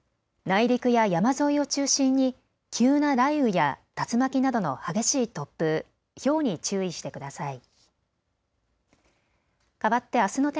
内陸や山沿いを中心に急な雷雨や竜巻などの激しい突風、ひょうに注意してください。